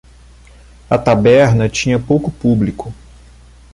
A taberna tinha pouco público.